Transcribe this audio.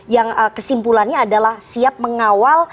yang kesimpulannya adalah siap mengawal